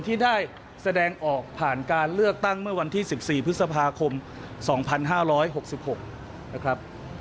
ที่ได้แสดงออกผ่านการเลือกตั้งเมื่อวันที่๑๔พฤษภาคม๒๕๖๖นะครับ